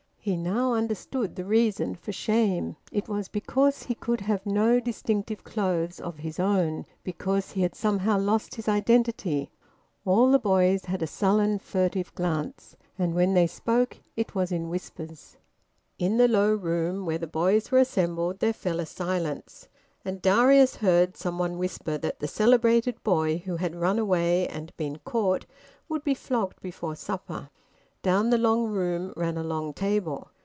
He now understood the reason for shame; it was because he could have no distinctive clothes of his own, because he had somehow lost his identity. All the boys had a sullen, furtive glance, and when they spoke it was in whispers. In the low room where the boys were assembled there fell a silence, and Darius heard some one whisper that the celebrated boy who had run away and been caught would be flogged before supper. Down the long room ran a long table.